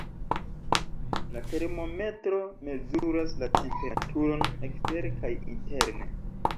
La termometro mezuras la temperaturon ekstere kaj interne.